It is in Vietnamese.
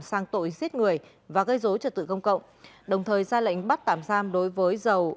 sang tội giết người và gây dối trật tự công cộng đồng thời ra lệnh bắt tạm giam đối với giàu